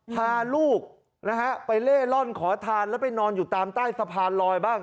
พาลูกนะฮะไปเล่ร่อนขอทานแล้วไปนอนอยู่ตามใต้สะพานลอยบ้าง